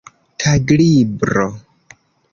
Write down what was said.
taglibro